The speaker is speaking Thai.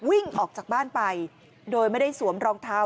วิ่งออกจากบ้านไปโดยไม่ได้สวมรองเท้า